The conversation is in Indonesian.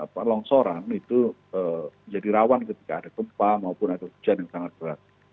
dan longsoran itu jadi rawan ketika ada gempa maupun ada hujan yang sangat berat